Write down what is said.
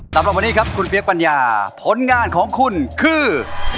สำหรับวันนี้ครับคุณเปี๊ยกปัญญาผลงานของคุณคือ